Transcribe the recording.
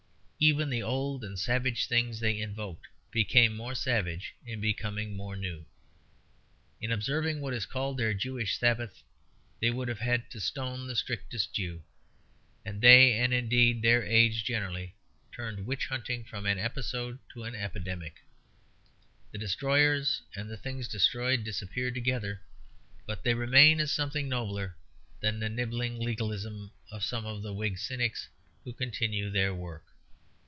Even the old and savage things they invoked became more savage in becoming more new. In observing what is called their Jewish Sabbath, they would have had to stone the strictest Jew. And they (and indeed their age generally) turned witch burning from an episode to an epidemic. The destroyers and the things destroyed disappeared together; but they remain as something nobler than the nibbling legalism of some of the Whig cynics who continued their work.